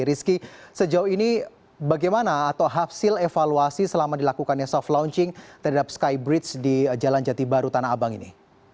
rizky sejauh ini bagaimana atau hafsil evaluasi selama dilakukannya soft launching terhadap skybridge di jalan jati baru tanah abang ini